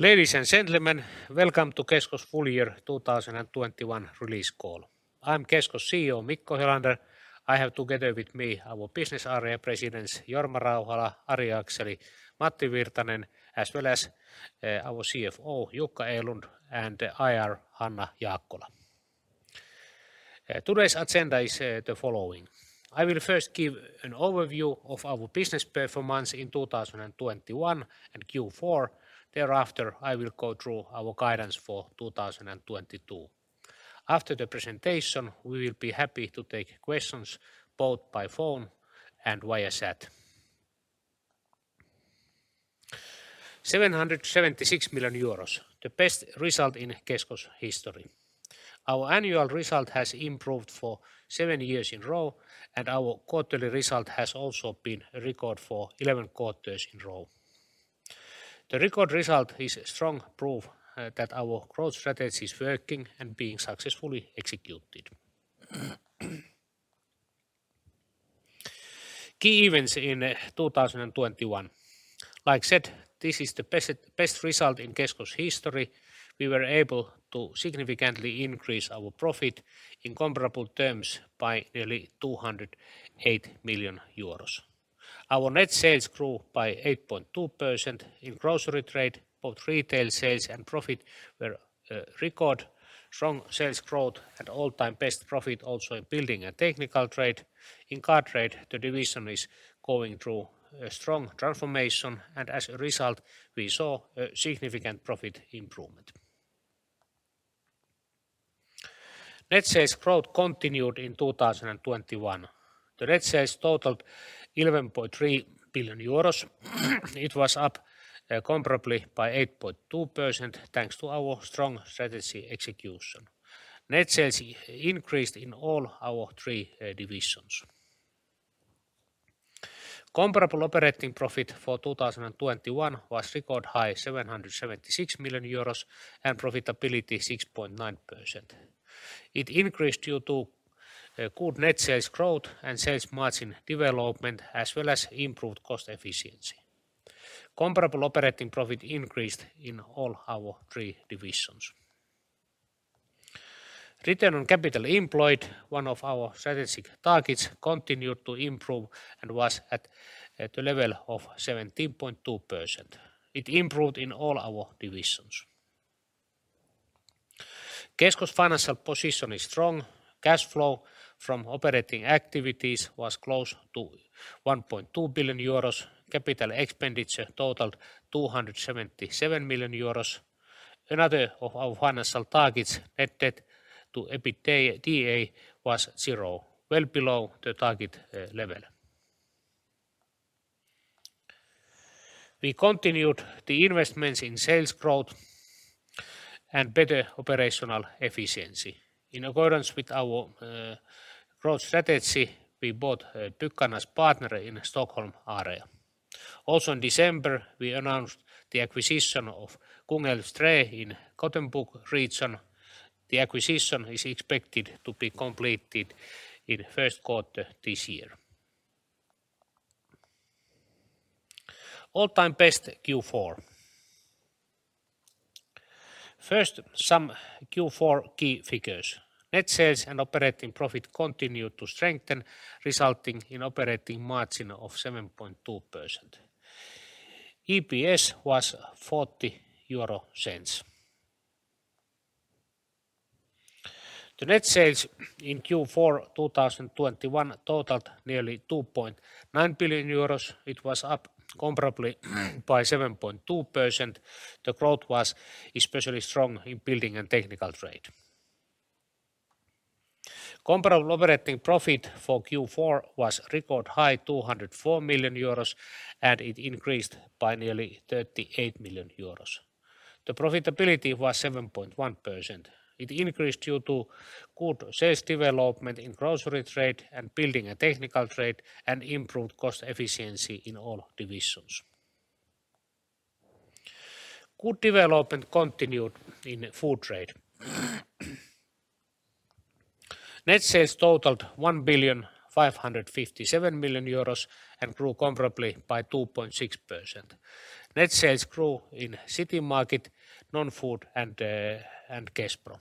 Ladies and gentlemen, welcome to Kesko's full year 2021 release call. I'm Kesko's CEO, Mikko Helander. I have together with me our business area presidents, Jorma Rauhala, Ari Akseli, Matti Virtanen, as well as, our CFO, Jukka Erlund, and IR, Hanna Jaakkola. Today's agenda is, the following. I will first give an overview of our business performance in 2021 and Q4. Thereafter, I will go through our guidance for 2022. After the presentation, we will be happy to take questions both by phone and via chat. 776 million euros, the best result in Kesko's history. Our annual result has improved for 7 years in a row, and our quarterly result has also been a record for 11 quarters in a row. The record result is strong proof that our growth strategy is working and being successfully executed. Key events in 2021. As said, this is the best result in Kesko's history. We were able to significantly increase our profit in comparable terms by nearly 208 million euros. Our net sales grew by 8.2%. In Grocery Trade, both retail sales and profit were record. Strong sales growth and all-time best profit also in Building and Technical Trade. In Car Trade, the division is going through a strong transformation, and as a result, we saw a significant profit improvement. Net sales growth continued in 2021. The net sales totaled 11.3 billion euros. It was up comparably by 8.2% thanks to our strong strategy execution. Net sales increased in all our three divisions. Comparable operating profit for 2021 was record high 776 million euros and profitability 6.9%. It increased due to good net sales growth and sales margin development, as well as improved cost efficiency. Comparable operating profit increased in all our three divisions. Return on capital employed, one of our strategic targets, continued to improve and was at the level of 17.2%. It improved in all our divisions. Kesko's financial position is strong. Cash flow from operating activities was close to 1.2 billion euros. Capital expenditure totaled 277 million euros. Another of our financial targets, net debt to EBITDA was zero, well below the target level. We continued the investments in sales growth and better operational efficiency. In accordance with our growth strategy, we bought Byggarnas Partner in Stockholm area. In December, we announced the acquisition of Kungälvs Trä in the Gothenburg region. The acquisition is expected to be completed in the first quarter this year. All-time best Q4. First, some Q4 key figures. Net sales and operating profit continued to strengthen, resulting in an operating margin of 7.2%. EPS was 0.40 EUR. Net sales in Q4 2021 totaled nearly 2.9 billion euros. It was up comparable by 7.2%. The growth was especially strong in Building and Technical Trade. Comparable operating profit for Q4 was a record high 204 million euros, and it increased by nearly 38 million euros. The profitability was 7.1%. It increased due to good sales development in Grocery Trade and Building and Technical Trade and improved cost efficiency in all divisions. Good development continued in Grocery Trade. Net sales totaled 1,557 million euros and grew comparably by 2.6%. Net sales grew in K-Citymarket, Non-Food, and Kespro.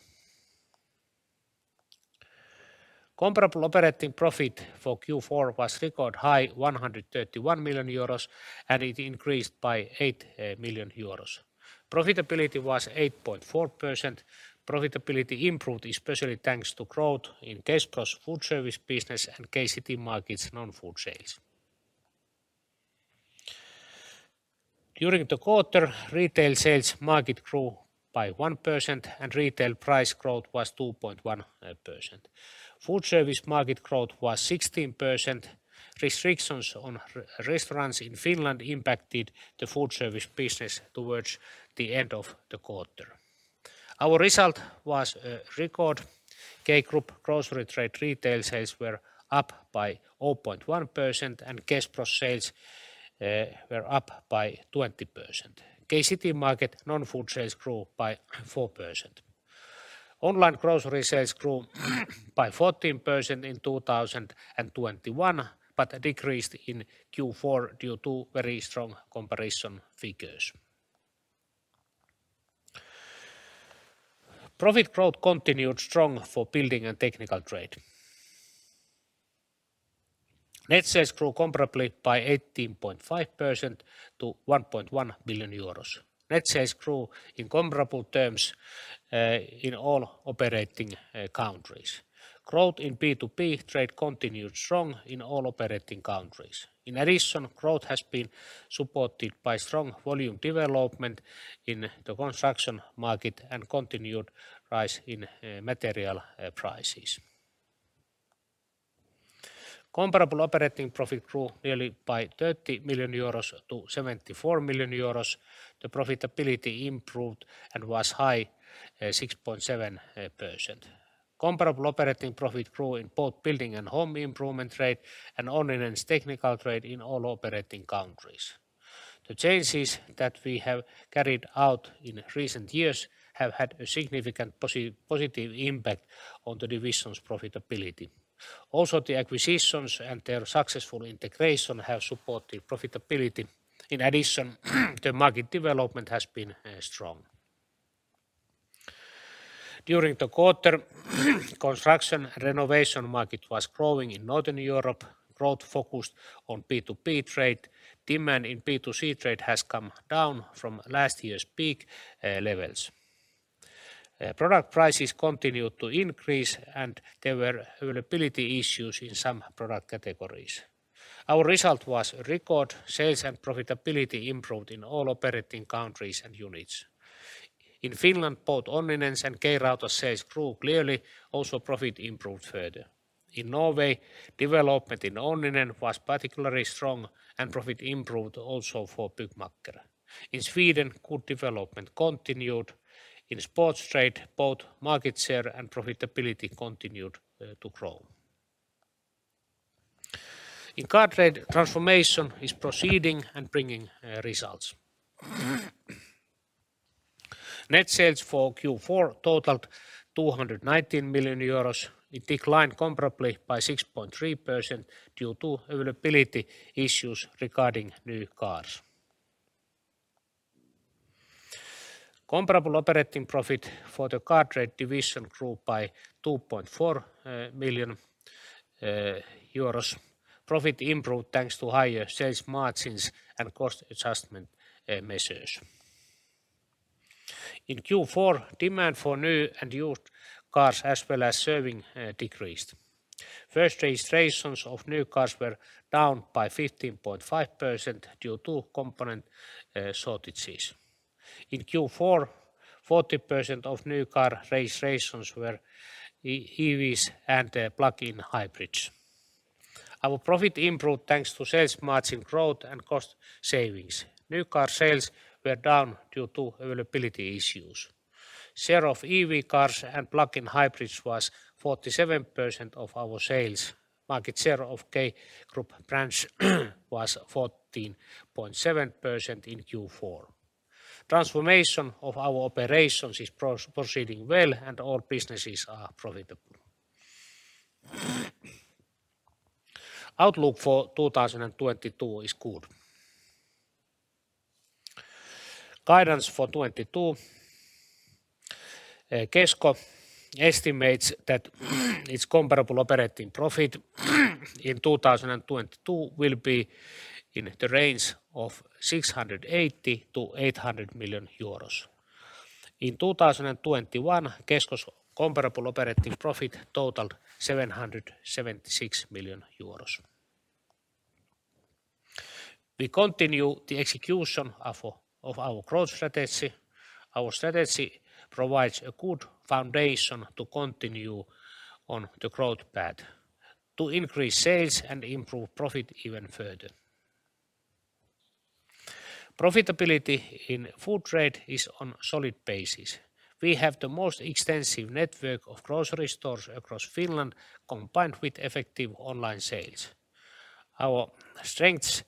Comparable operating profit for Q4 was record high 131 million euros, and it increased by 8 million euros. Profitability was 8.4%. Profitability improved especially thanks to growth in Kespro's food service business and K-Citymarket's Non-Food sales. During the quarter, retail sales market grew by 1%, and retail price growth was 2.1%. Food service market growth was 16%. Restrictions on restaurants in Finland impacted the food service business towards the end of the quarter. Our result was record. K Group Grocery Trade retail sales were up by 0.1%, and Kespro sales were up by 20%. K-Citymarket non-food sales grew by 4%. Online grocery sales grew by 14% in 2021, but decreased in Q4 due to very strong comparison figures. Profit growth continued strong for Building and Technical Trade. Net sales grew comparably by 18.5% to 1.1 billion euros. Net sales grew in comparable terms in all operating countries. Growth in B2B trade continued strong in all operating countries. In addition, growth has been supported by strong volume development in the construction market and continued rise in material prices. Comparable operating profit grew nearly by 30 million-74 million euros. The profitability improved and was high 6.7%. Comparable operating profit grew in both building and home improvement trade and Onninen's technical trade in all operating countries. The changes that we have carried out in recent years have had a significant positive impact on the division's profitability. Also, the acquisitions and their successful integration have supported profitability. In addition, the market development has been strong. During the quarter, construction renovation market was growing in Northern Europe. Growth focused on B2B trade. Demand in B2C trade has come down from last year's peak levels. Product prices continued to increase, and there were availability issues in some product categories. Our result was record sales and profitability improved in all operating countries and units. In Finland, both Onninen's and K-Rauta sales grew clearly, also profit improved further. In Norway, development in Onninen was particularly strong and profit improved also for Byggmakker. In Sweden, good development continued. In sports trade, both market share and profitability continued to grow. In Car Trade, transformation is proceeding and bringing results. Net sales for Q4 totaled 219 million euros. It declined comparably by 6.3% due to availability issues regarding new cars. Comparable operating profit for the Car Trade division grew by 2.4 million euros. Profit improved thanks to higher sales margins and cost adjustment measures. In Q4, demand for new and used cars as well as servicing decreased. First registrations of new cars were down by 15.5% due to component shortages. In Q4, 40% of new car registrations were EVs and plug-in hybrids. Our profit improved thanks to sales margin growth and cost savings. New car sales were down due to availability issues. Share of EV cars and plug-in hybrids was 47% of our sales. Market share of K Group brand was 14.7% in Q4. Transformation of our operations is proceeding well and all businesses are profitable. Outlook for 2022 is good. Guidance for 2022. Kesko estimates that its comparable operating profit in 2022 will be in the range of 680 million-800 million euros. In 2021, Kesko's comparable operating profit totaled 776 million euros. We continue the execution of our growth strategy. Our strategy provides a good foundation to continue on the growth path to increase sales and improve profit even further. Profitability in food trade is on solid basis. We have the most extensive network of grocery stores across Finland combined with effective online sales. Our strengths include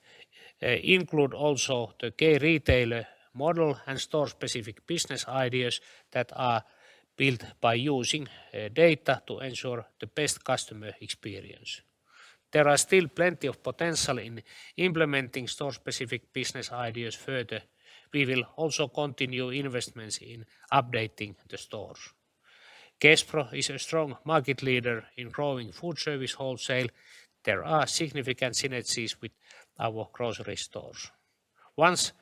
also the K retailer model and store-specific business ideas that are built by using data to ensure the best customer experience. There are still plenty of potential in implementing store-specific business ideas further. We will also continue investments in updating the stores. Kespro is a strong market leader in growing food service wholesale. There are significant synergies with our grocery stores. Once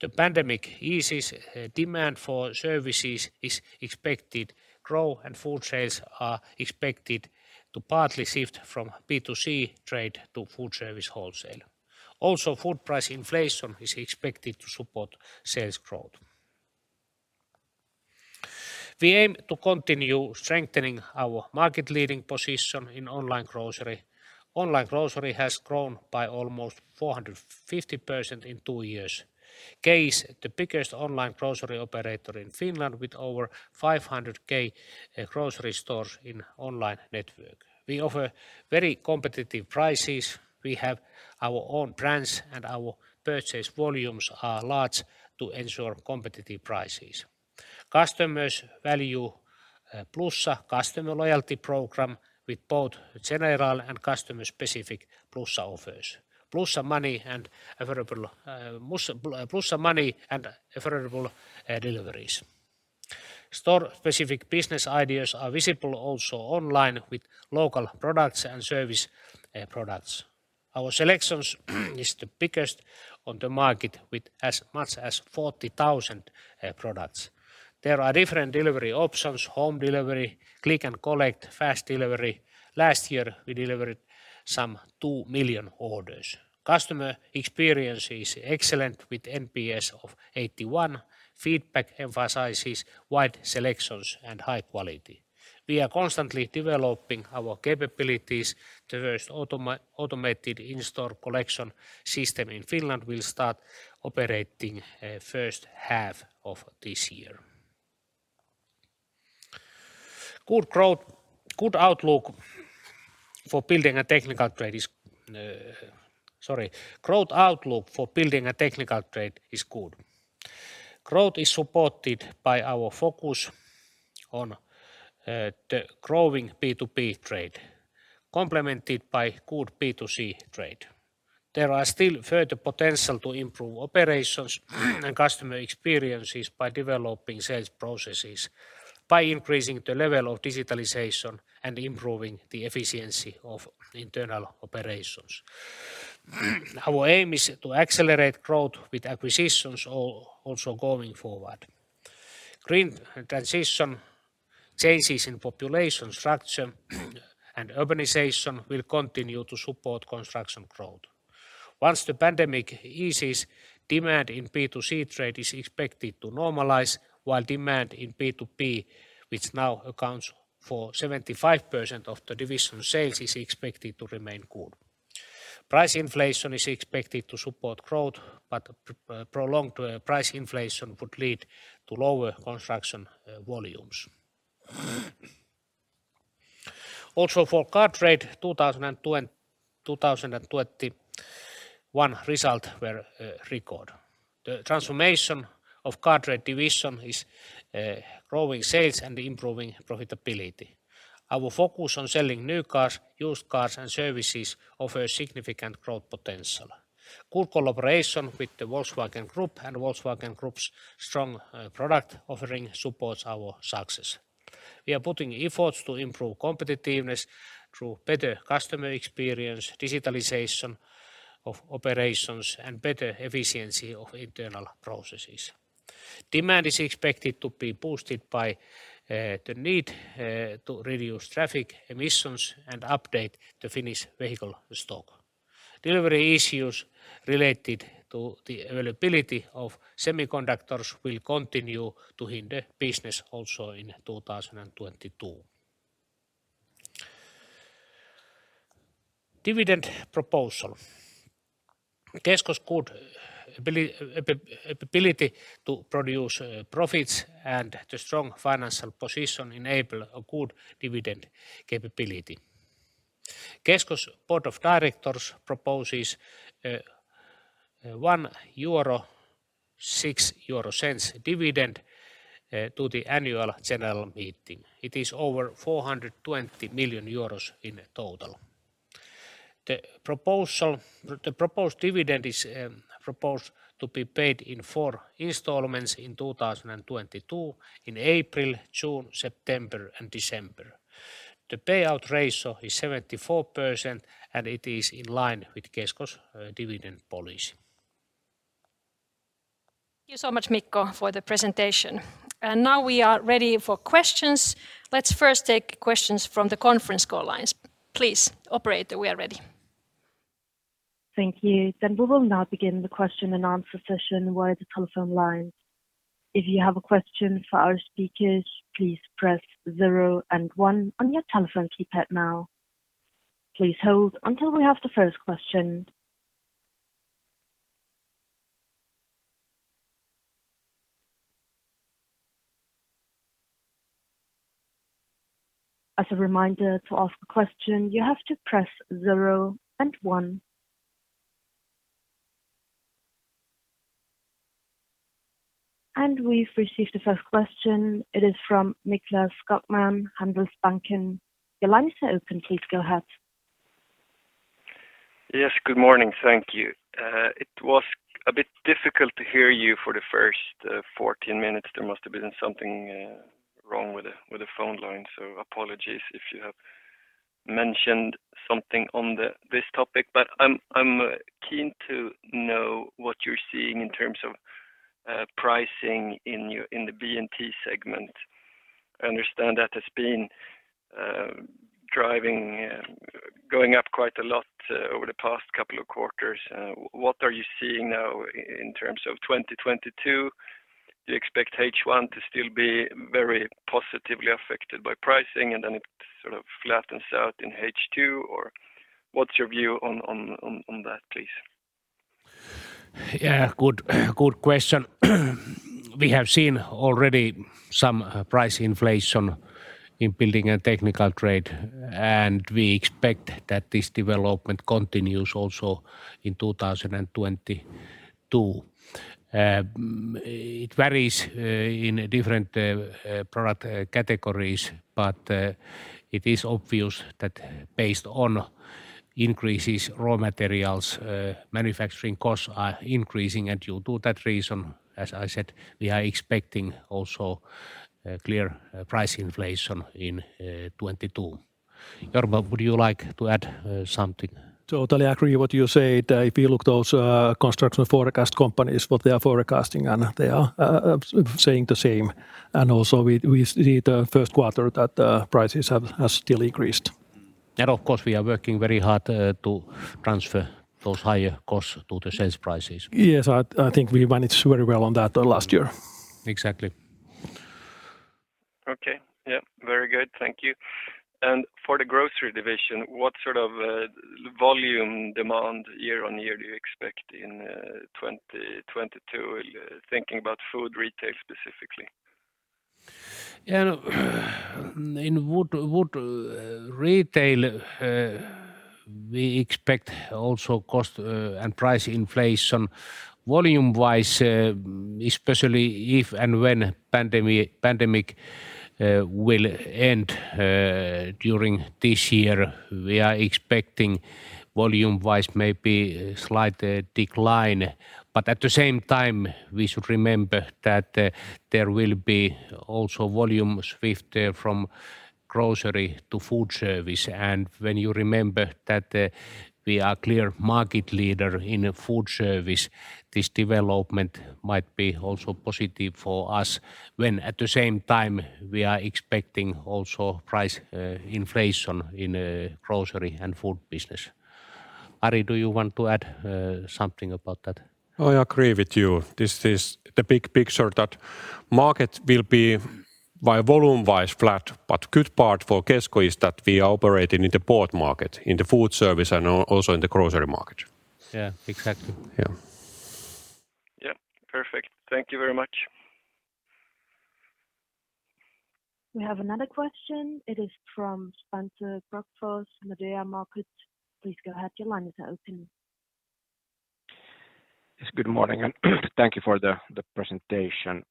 the pandemic eases, demand for services is expected to grow, and food sales are expected to partly shift from B2C trade to food service wholesale. Also, food price inflation is expected to support sales growth. We aim to continue strengthening our market leading position in online grocery. Online grocery has grown by almost 450% in two years. K is the biggest online grocery operator in Finland with over 500 K grocery stores in online network. We offer very competitive prices. We have our own brands, and our purchase volumes are large to ensure competitive prices. Customers value Plussa customer loyalty program with both general and customer-specific Plussa offers. Plussa money and affordable deliveries. Store-specific business ideas are visible also online with local products and service products. Our selections is the biggest on the market with as much as 40,000 products. There are different delivery options: home delivery, Click and Collect, fast delivery. Last year, we delivered some 2 million orders. Customer experience is excellent with NPS of 81. Feedback emphasizes wide selections and high quality. We are constantly developing our capabilities. The first automated in-store collection system in Finland will start operating first half of this year. Good growth. Good outlook for Building and Technical Trade is. Sorry. Growth outlook for Building and Technical Trade is good. Growth is supported by our focus on the growing B2B trade complemented by good B2C trade. There are still further potential to improve operations and customer experiences by developing sales processes by increasing the level of digitalization and improving the efficiency of internal operations. Our aim is to accelerate growth with acquisitions also going forward. Green transition, changes in population structure and urbanization will continue to support construction growth. Once the pandemic eases, demand in B2C trade is expected to normalize while demand in B2B, which now accounts for 75% of the division sales, is expected to remain good. Price inflation is expected to support growth, but prolonged price inflation would lead to lower construction volumes. Also, for Car Trade, 2020 and 2021 results were record. The transformation of Car Trade division is growing sales and improving profitability. Our focus on selling new cars, used cars, and services offer significant growth potential. Good collaboration with the Volkswagen Group and Volkswagen Group's strong product offering supports our success. We are putting efforts to improve competitiveness through better customer experience, digitalization of operations, and better efficiency of internal processes. Demand is expected to be boosted by the need to reduce traffic emissions and update the Finnish vehicle stock. Delivery issues related to the availability of semiconductors will continue to hinder business also in 2022. Dividend proposal. Kesko's good ability to produce profits and the strong financial position enable a good dividend capability. Kesko's board of directors proposes a 1.06 euro dividend to the annual general meeting. It is over 420 million euros in total. The proposed dividend is proposed to be paid in four installments in 2022 in April, June, September, and December. The payout ratio is 74%, and it is in line with Kesko's dividend policy. Thank you so much, Mikko, for the presentation. Now we are ready for questions. Let's first take questions from the conference call lines. Please, operator, we are ready. Thank you. We will now begin the question and answer session via the telephone lines. If you have a question for our speakers, please press 0 and 1 on your telephone keypad now. Please hold until we have the first question. As a reminder, to ask a question, you have to press 0 and 1. We've received the first question. It is from Niklas Ekman, Handelsbanken. Your line is open. Please go ahead. Yes. Good morning. Thank you. It was a bit difficult to hear you for the first 14 minutes. There must have been something wrong with the phone line, so apologies if you have mentioned something on this topic. I'm keen to know what you're seeing in terms of pricing in your B&T segment. I understand that has been driving going up quite a lot over the past couple of quarters. What are you seeing now in terms of 2022? Do you expect H1 to still be very positively affected by pricing and then it sort of flattens out in H2, or what's your view on that, please? Yeah. Good question. We have seen already some price inflation in Building and Technical Trade, and we expect that this development continues also in 2022. It varies in different product categories, but it is obvious that based on increases in raw materials manufacturing costs are increasing. Due to that reason, as I said, we are expecting also clear price inflation in 2022. Jorma, would you like to add something? Totally agree with what you said. If you look at those construction forecast companies, what they are forecasting and they are saying the same. We also see the first quarter that prices have still increased. Of course, we are working very hard to transfer those higher costs to the sales prices. Yes. I think we managed very well on that, last year. Exactly. Okay. Yeah. Very good. Thank you. For the grocery division, what sort of volume demand year-on-year do you expect in 2022? Thinking about food retail specifically. Yeah. In wood retail, we expect also cost and price inflation volume-wise, especially if and when pandemic will end during this year. We are expecting volume-wise maybe slight decline, but at the same time, we should remember that there will be also volume shift from grocery to food service. When you remember that, we are clear market leader in food service, this development might be also positive for us when at the same time we are expecting also price inflation in grocery and food business. Ari, do you want to add something about that? I agree with you. This is the big picture that market will be by volume-wise flat, but good part for Kesko is that we are operating in the both market, in the food service and also in the grocery market. Yeah, exactly. Yeah. Yeah. Perfect. Thank you very much. We have another question. It is from Svante Krokfors, Nordea Markets. Please go ahead. Your line is open. Yes. Good morning, and thank you for the presentation.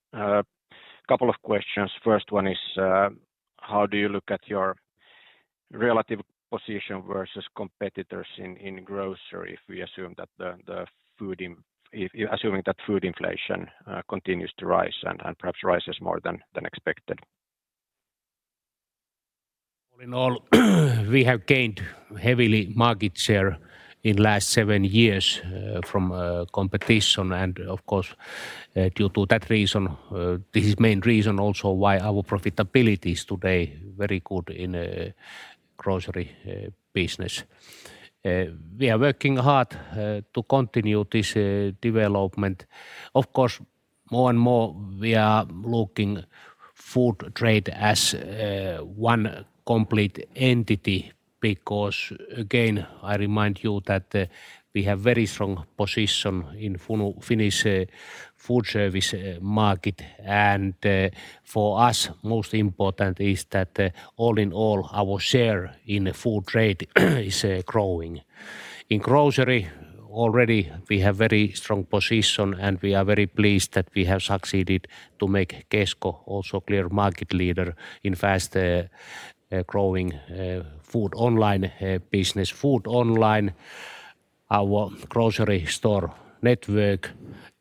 Couple of questions. First one is, how do you look at your relative position versus competitors in grocery if we assume that food inflation continues to rise and perhaps rises more than expected? All in all, we have gained heavily market share in last seven years, from competition and of course, due to that reason, this is main reason also why our profitability is today very good in grocery business. We are working hard to continue this development. Of course, more and more we are looking food trade as one complete entity because again, I remind you that we have very strong position in Finnish food service market. For us, most important is that all in all, our share in food trade is growing. In grocery already we have very strong position, and we are very pleased that we have succeeded to make Kesko also clear market leader in fast growing food online business. Food online, our grocery store network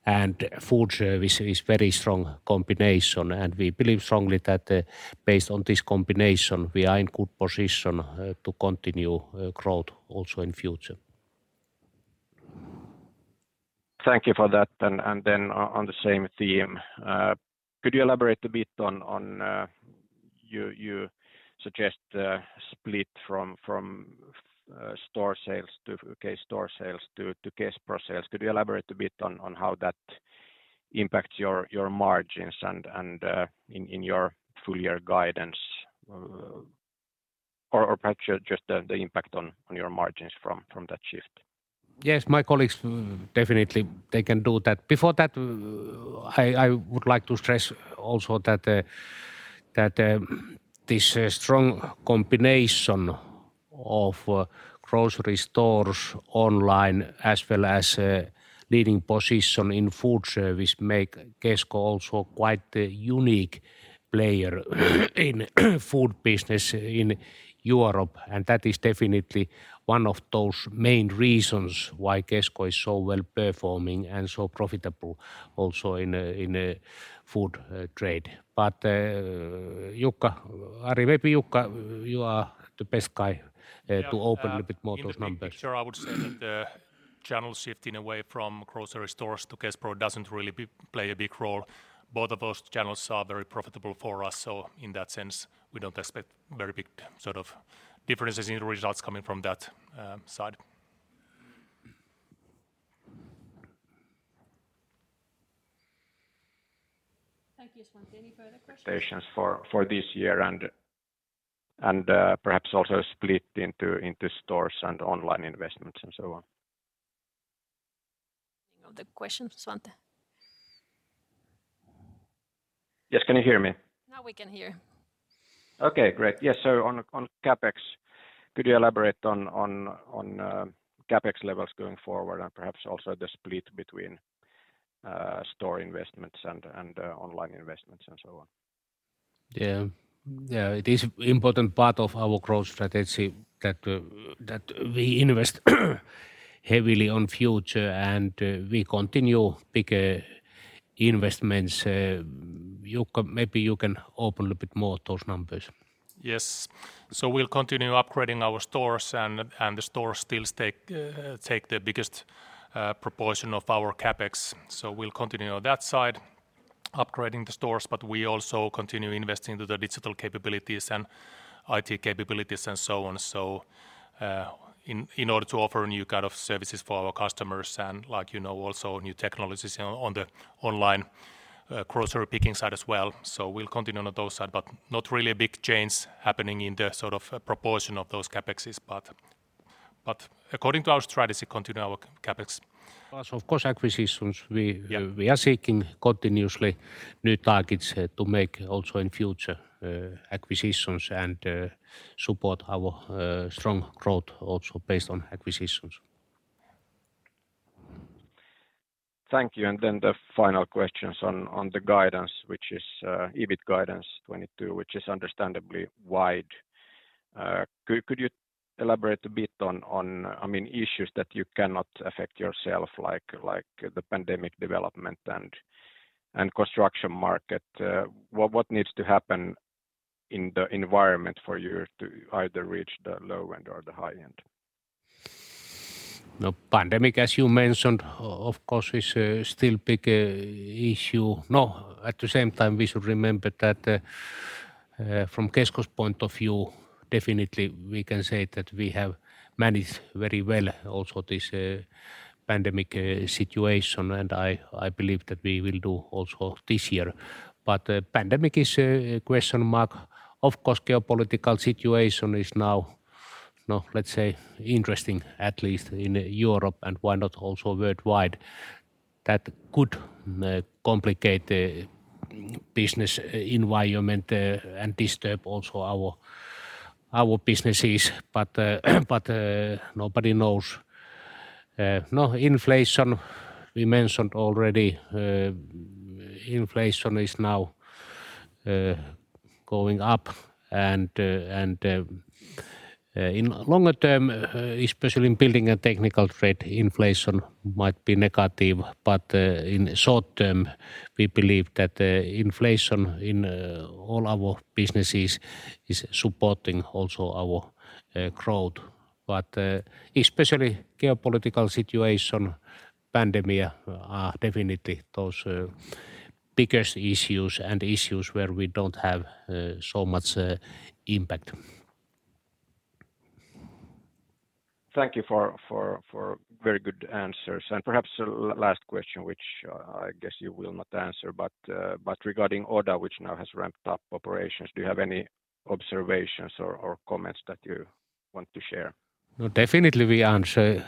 and food service is very strong combination, and we believe strongly that, based on this combination, we are in good position to continue growth also in future. Thank you for that. On the same theme, could you elaborate a bit on your suggested split from store sales to K-store sales to Kespro sales. Could you elaborate a bit on how that impacts your margins and on your full year guidance? Perhaps just the impact on your margins from that shift. Yes. My colleagues definitely they can do that. Before that, I would like to stress also that this strong combination of grocery stores online as well as leading position in food service make Kesko also quite a unique player in food business in Europe. That is definitely one of those main reasons why Kesko is so well-performing and so profitable also in food trade. Jukka, Ari, maybe Jukka you are the best guy to open a bit more those numbers. Yeah. In the big picture, I would say that the channel shifting away from grocery stores to Kespro doesn't really play a big role. Both of those channels are very profitable for us. In that sense, we don't expect very big sort of differences in results coming from that side. Thank you, Svante. Any further questions? Investments for this year and perhaps also split into stores and online investments and so on. Other question, Svante. Yes. Can you hear me? Now we can hear. Okay, great. Yes, on CapEx, could you elaborate on CapEx levels going forward and perhaps also the split between store investments and online investments and so on? Yeah. It is important part of our growth strategy that we invest heavily in the future and we continue big investments. Jukka, maybe you can open a bit more those numbers. Yes. We'll continue upgrading our stores and the stores still take the biggest proportion of our CapEx. We'll continue on that side, upgrading the stores, but we also continue investing to the digital capabilities and IT capabilities and so on, in order to offer a new kind of services for our customers and, like, you know, also new technologies on the online grocery picking side as well. We'll continue on those side, but not really a big change happening in the sort of proportion of those CapExes. According to our strategy, continue our CapEx. Plus, of course, acquisitions. Yeah… we are seeking continuously new targets to make also in future acquisitions and support our strong growth also based on acquisitions. Thank you. The final question's on the guidance, which is EBIT guidance 2022, which is understandably wide. Could you elaborate a bit on, I mean, issues that you cannot affect yourself, like the pandemic development and construction market? What needs to happen in the environment for you to either reach the low end or the high end? The pandemic, as you mentioned, of course, is still a big issue. Now, at the same time we should remember that, from Kesko's point of view, definitely we can say that we have managed very well also this pandemic situation. I believe that we will do also this year. Pandemic is a question mark. Of course, geopolitical situation is now, let's say, interesting, at least in Europe, and why not also worldwide. That could complicate the business environment and disturb also our businesses. Nobody knows. Now, inflation, we mentioned already. Inflation is now going up, and in longer term, especially in Building and Technical Trade, inflation might be negative. In short term, we believe that inflation in all our businesses is supporting also our growth. Especially geopolitical situation, pandemic, are definitely those biggest issues where we don't have so much impact. Thank you for very good answers. Perhaps a last question, which I guess you will not answer, but regarding Oda, which now has ramped up operations, do you have any observations or comments that you want to share? No, definitely we answer.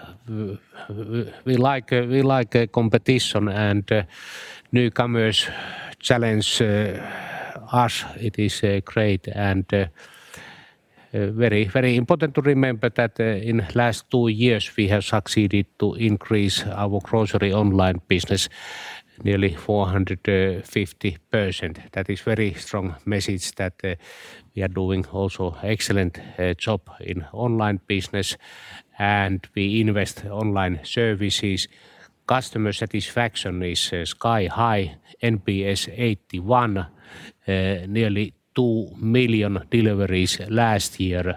We like competition and newcomers challenge us. It is great and very important to remember that in last two years we have succeeded to increase our grocery online business nearly 450%. That is very strong message that we are doing also excellent job in online business and we invest in online services. Customer satisfaction is sky high. NPS 81. Nearly two million deliveries last year.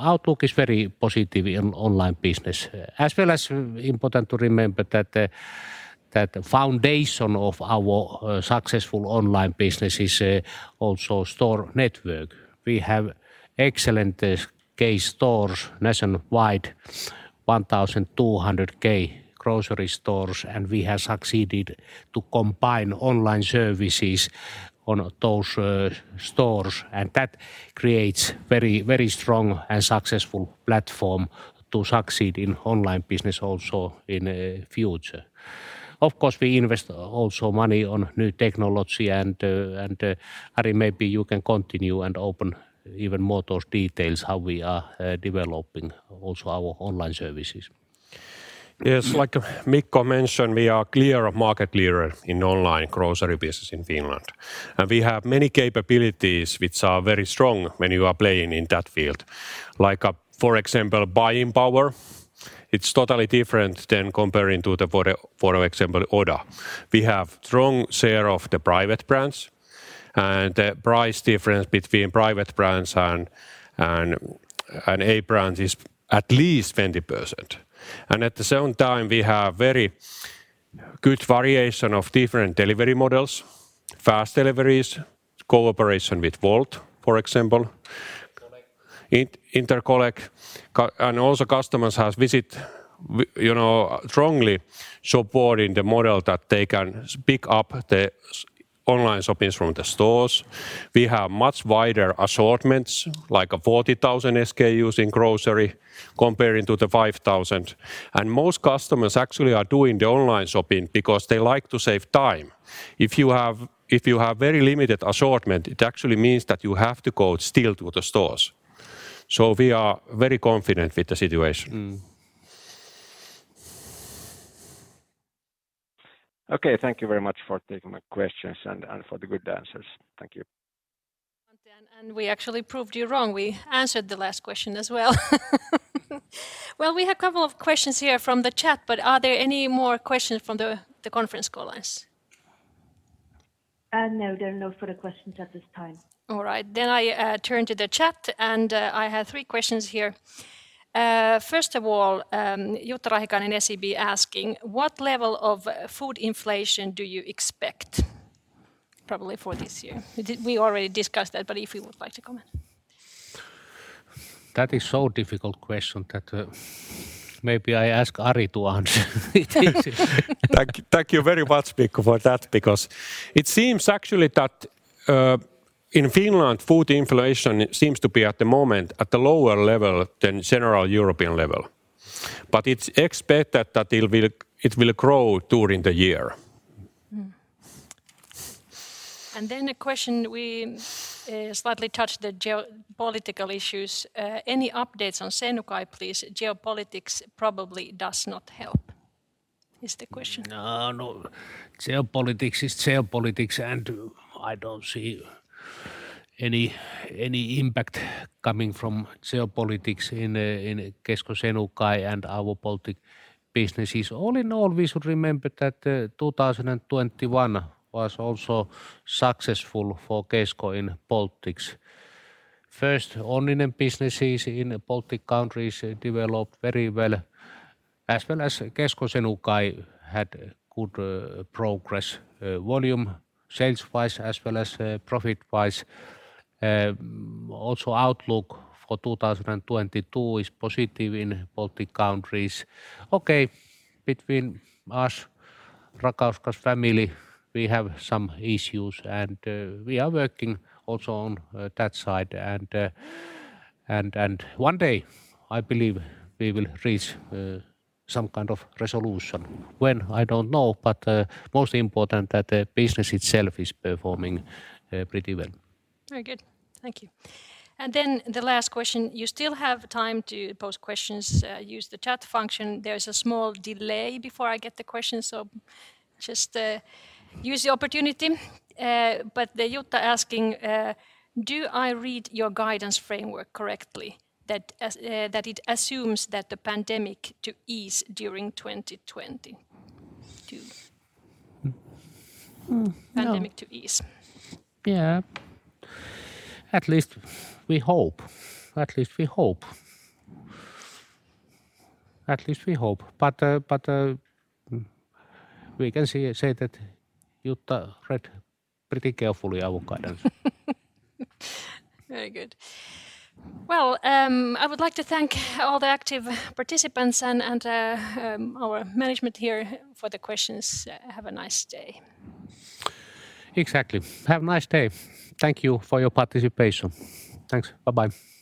Outlook is very positive in online business. It is also important to remember that the foundation of our successful online business is also store network. We have excellent K stores nationwide, 1,200 K grocery stores, and we have succeeded to combine online services on those stores. That creates very, very strong and successful platform to succeed in online business also in the future. Of course, we invest also money on new technology and, Ari, maybe you can continue and open even more those details how we are developing also our online services. Yes. Like Mikko mentioned, we are clearly a market leader in online grocery business in Finland. We have many capabilities which are very strong when you are playing in that field. Like, for example, buying power, it's totally different than comparing to, for example, Oda. We have strong share of the private brands, and the price difference between private brands and A brands is at least 20%. At the same time, we have very good variation of different delivery models, fast deliveries, cooperation with Wolt, for example. Click and Collect. Click and Collect, and also customers have visited, you know, strongly supporting the model that they can pick up the online shopping from the stores, we have much wider assortments like a 40,000 SKUs in grocery comparing to the 5,000. Most customers actually are doing the online shopping because they like to save time. If you have very limited assortment, it actually means that you have to go still to the stores. We are very confident with the situation. Okay. Thank you very much for taking my questions and for the good answers. Thank you. We actually proved you wrong. We answered the last question as well. Well, we have a couple of questions here from the chat, but are there any more questions from the conference call lines? No. There are no further questions at this time. All right. I turn to the chat, and I have three questions here. First of all, Jutta Rahikainen, SEB, asking, "What level of food inflation do you expect?" Probably for this year. We already discussed that, but if you would like to comment. That is so difficult question that maybe I ask Ari to answer it. Thank you very much, Mikko, for that because it seems actually that in Finland, food inflation seems to be at the moment at a lower level than general European level. It's expected that it will grow during the year. A question we slightly touched on the geopolitical issues. Any updates on Senukai, please? Geopolitics probably does not help, is the question. No. Geopolitics is geopolitics, and I don't see any impact coming from geopolitics in Kesko Senukai and our Baltic businesses. All in all, we should remember that 2021 was also successful for Kesko in Baltics. First, Onninen businesses in Baltic countries developed very well as well as Kesko Senukai had good progress volume sales-wise as well as profit-wise. Also, the outlook for 2022 is positive in Baltic countries. Okay, between us, Rakauskas family, we have some issues, and we are working also on that side. One day I believe we will reach some kind of resolution. When? I don't know, but most important that the business itself is performing pretty well. Very good. Thank you. Then the last question. You still have time to post questions, use the chat function. There is a small delay before I get the question, so just use the opportunity. But Jutta asking, "Do I read your guidance framework correctly that it assumes that the pandemic to ease during 2022? Pandemic to ease. Yeah. At least we hope. But we can say that Jutta read pretty carefully our guidance. Very good. Well, I would like to thank all the active participants and our management here for the questions. Have a nice day. Exactly. Have a nice day. Thank you for your participation. Thanks. Bye-bye. Bye.